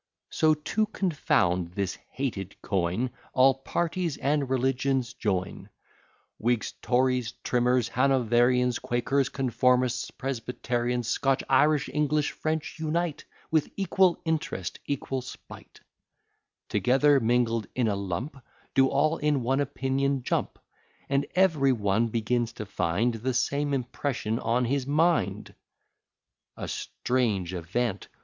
So, to confound this hated coin, All parties and religions join; Whigs, Tories, Trimmers, Hanoverians, Quakers, Conformists, Presbyterians, Scotch, Irish, English, French, unite, With equal interest, equal spite Together mingled in a lump, Do all in one opinion jump; And ev'ry one begins to find The same impression on his mind. A strange event!